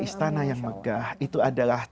istana yang megah itu adalah